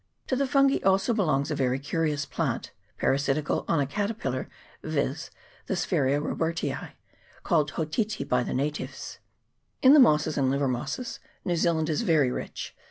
To the fungi also belongs a very curious plant, parasitical on a caterpillar, viz. the Spheerin Robertii, called hotete by the natives. CHAP. XXIX.] NEW ZEALAND. 423 In mosses and livermosses New Zealand is very rich.